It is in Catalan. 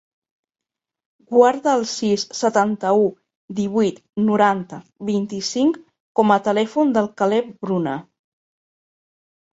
Guarda el sis, setanta-u, divuit, noranta, vint-i-cinc com a telèfon del Caleb Bruna.